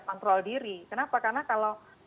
kontrol diri kenapa karena kalau